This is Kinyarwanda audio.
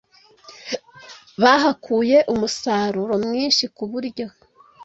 Bahakuye umusaruro mwinshi ku buryo